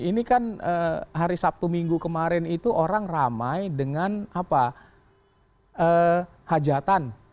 ini kan hari sabtu minggu kemarin itu orang ramai dengan hajatan